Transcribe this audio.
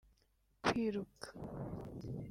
kwiruka